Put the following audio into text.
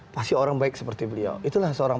pasti orang baik seperti beliau itulah seorang